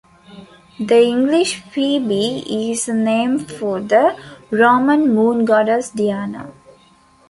The English "Phoebe" is a name for the Roman moon-goddess Diana.